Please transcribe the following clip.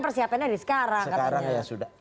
persiapannya di sekarang sekarang ya sudah